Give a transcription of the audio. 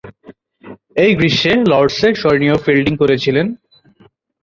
ঐ গ্রীষ্মে লর্ডসে স্মরণীয় ফিল্ডিং করেছিলেন।